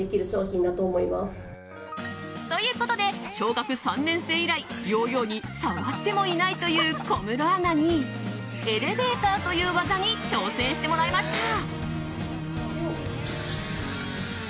ということで小学３年生以来ヨーヨーに触ってもいないという小室アナにエレベーターという技に挑戦してもらいました。